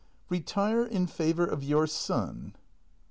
Retire in favour of your son!